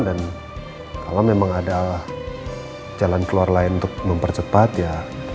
dan kalau memang ada jalan keluar lain untuk mempercepat ya